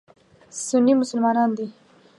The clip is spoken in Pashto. سني مسلمانان دي.